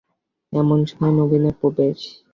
এমন সময় নবীনের প্রবেশ।